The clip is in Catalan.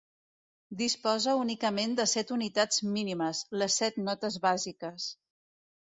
Disposa únicament de set unitats mínimes: les set notes bàsiques.